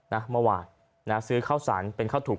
เมื่อวานนะซื้อข้าวสารเป็นข้าวถุง